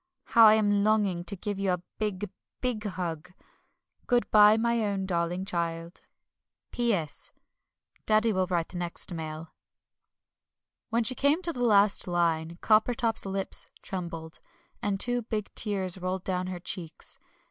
How I am longing to give you a big, big hug. Good bye, my own darling child. MUMMIE. P.S. Daddy will write next mail. When she came to the last line Coppertop's lips trembled, and two big tears rolled down her cheeks.